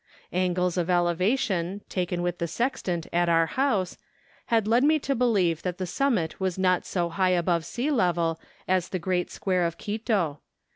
Angles of elevation, taken with the sextant at our house, had led me to believe that the summit was not so high above sea level as the great square of Quito.